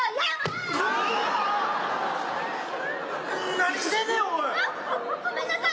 何してんねんおい。